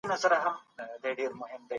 پاک بوټي په پښو کوئ.